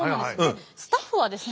スタッフはですね